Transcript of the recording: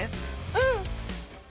うん。